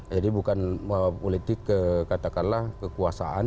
jadi bukan politik kekatakanlah kekuasaan